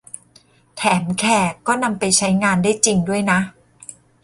แถมแขกก็นำไปใช้งานได้จริงด้วยนะ